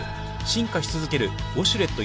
進化しつづけるウォシュレット